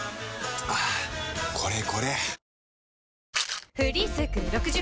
はぁこれこれ！